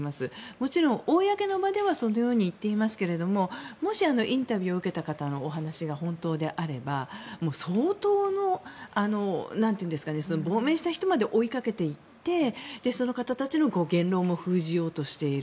もちろん公の場ではそのように言っていますけれどももしインタビューを受けた方のお話が本当であれば相当の亡命した人まで追いかけていってその方たちの言論を封じようとしている。